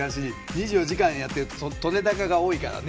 ２４時間やってるととれ高が多いからね。